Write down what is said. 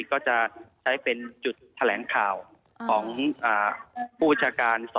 ก็จะใช้เป็นจุดแถลงข่าวของผู้บัญชาการ